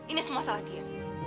ini semua salah dia